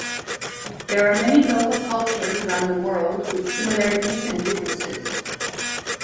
There are many local cultures around the world, with similarities and differences.